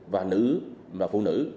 và nữ và phụ nữ